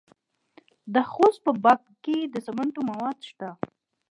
د خوست په باک کې د سمنټو مواد شته.